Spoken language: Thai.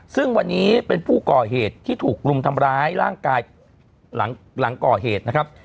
ซึ่งวันนี้เป็นผู้ก่อเหตุที่ถูกรุมทำร้ายร่างกายหลังก่อเหตุนะครับ